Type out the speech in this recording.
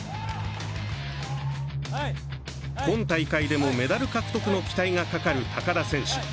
今大会でもメダル獲得の期待がかかる高田選手。